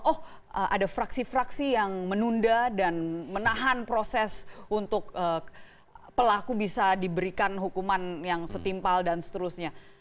oh ada fraksi fraksi yang menunda dan menahan proses untuk pelaku bisa diberikan hukuman yang setimpal dan seterusnya